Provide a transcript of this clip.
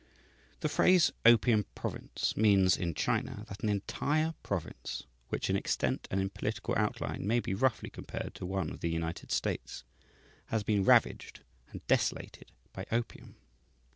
The phrase, "opium province," means, in China, that an entire province (which, in extent and in political outline, may be roughly compared to one of the United States) has been ravaged and desolated by opium.